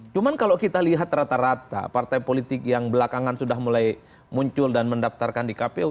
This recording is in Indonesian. cuma kalau kita lihat rata rata partai politik yang belakangan sudah mulai muncul dan mendaftarkan di kpu